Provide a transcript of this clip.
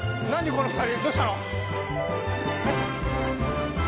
この２人どうしたの？